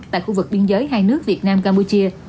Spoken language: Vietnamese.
tại khu vực biên giới hai nước việt nam campuchia